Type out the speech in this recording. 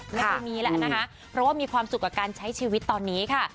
ไม่มีแล้วนะคะเพราะว่ามีความสุขกับการใช้ชีวิตตอนนี้ค่ะ